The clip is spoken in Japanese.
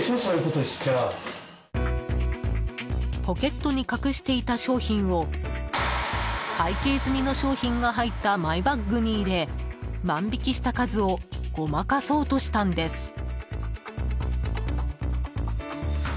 ポケットに隠していた商品を会計済みの商品が入ったマイバッグに入れ万引きした数をごまかそうとしたんです。